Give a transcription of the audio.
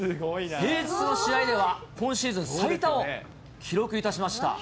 平日の試合では、今シーズン最多を記録いたしました。